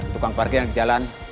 tukang parkir yang di jalan